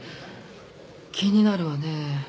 気になるわね。